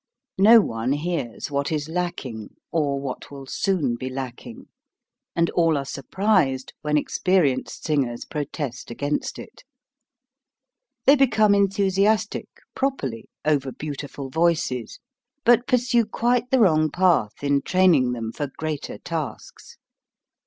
No one hears what is lacking, or what will soon be lacking, and all are surprised when experienced sing ers protest against it. They become enthusiastic, properly, over beautiful voices, but pursue quite the wrong path in training them for greater tasks.